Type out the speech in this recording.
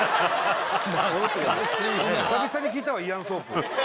久々に聞いたわイアン・ソープ。